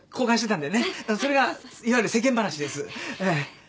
うんそれがいわゆる世間話ですええ。